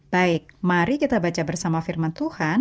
baik mari kita baca bersama firman tuhan